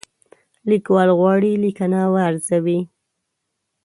لیکوال غواړي لیکنه وارزوي.